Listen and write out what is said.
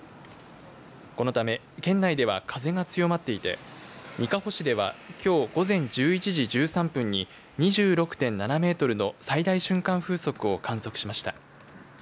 このため県内では風が強まっていてにかほ市ではきょう午前１１時１３分に２６．７メートルの最大瞬間風速を観測しました。